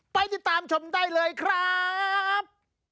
ไปติดตามชมได้เลยครับ